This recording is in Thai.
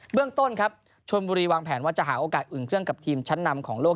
เรื่องต้นครับชนบุรีวางแผนว่าจะหาโอกาสอื่นเครื่องกับทีมชั้นนำของโลก